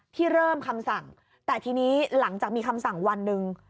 เริ่มคำสั่งแต่ทีนี้หลังจากมีคำสั่งวันหนึ่ง